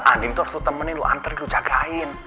andin tuh harus lo temenin lo anterin lo jagain